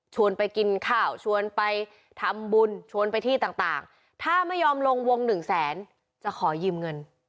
ไปกินข้าวชวนไปทำบุญชวนไปที่ต่างถ้าไม่ยอมลงวงหนึ่งแสนจะขอยืมเงิน